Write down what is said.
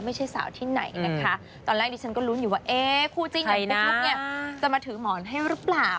ไม่ใช่สาวที่ไหนนะคะตอนแรกดิฉันก็ลุ้นอยู่ว่าเอ๊คู่จิ้นอย่างปุ๊กลุ๊กเนี่ยจะมาถือหมอนให้หรือเปล่า